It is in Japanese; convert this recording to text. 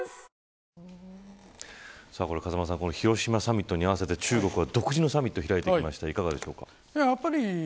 風間さん、広島サミットに合わせて中国が独自のサミットを開いてきましたがいかがでしょうか。